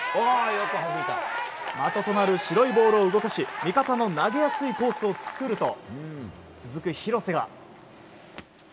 的となる白いボールを動かし味方の投げやすいコースを作ると続く廣瀬が。